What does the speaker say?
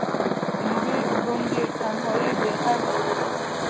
د یوې ګونګې تنهايۍ بې ږغ احساس کې